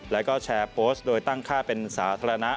แล้วก็แชร์โพสต์โดยตั้งค่าเป็นสาธารณะ